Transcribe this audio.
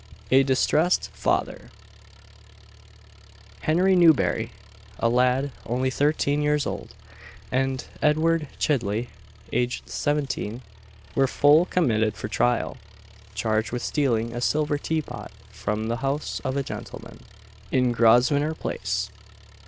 A DISTRESSED FATHER. Henry Newberry, a lad, only thirteen years old, and Edward Chidley, aged seventeen, were full committed for trial, charged with stealing a silver tea pot from the house of a gentleman, in Grosvenor Place.